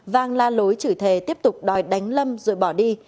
vang la lối chửi thề tiếp tục đòi đánh lâm rồi bỏ đi